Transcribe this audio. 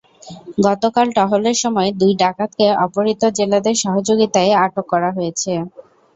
গতকাল টহলের সময় দুই ডাকাতকে অপহৃত জেলেদের সহযোগিতায় আটক করা হয়েছে।